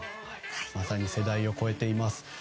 まさに世代を超えています。